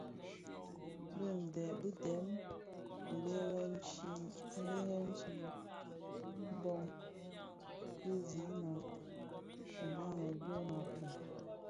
Bị dèm mbèrèn chi bò kiseni mbiň a ndhoňa bi.